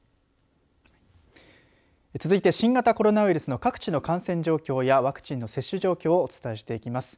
続いて新型コロナウイルスの各地の感染状況やワクチンの接種状況をお伝えしていきます。